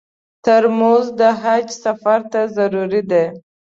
ترموز د حج سفر ته ضرور دی.